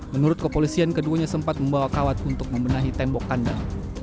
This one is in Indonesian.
menurut kepolisian keduanya sempat membawa kawat untuk membenahi tembok kandang